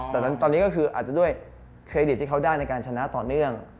แต่ตอนนี้ก็คืออาจจะด้วยเครดิตที่เขาได้ในการชนะต่อเนื่อง